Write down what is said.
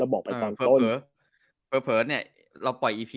เราอย่าไปแช่งเขาซิ